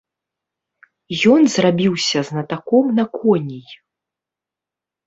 Ён зрабіўся знатаком на коней.